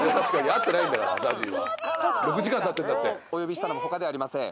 お呼びしたのも他ではありません。